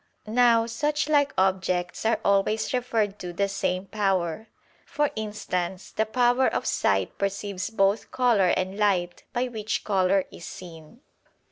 Now such like objects are always referred to the same power; for instance, the power of sight perceives both color and light by which color is seen.